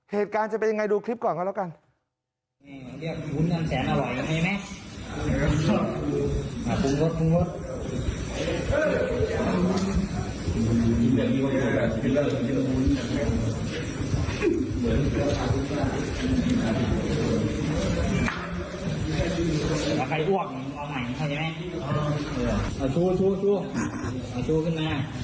เหตุการณ์จะเป็นยังไงดูคลิปก่อนก็แล้วกัน